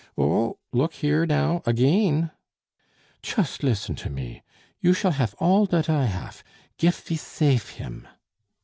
"Oh! look here now, again." "Chust listen to me. You shall haf all dot I haf, gif ve safe him."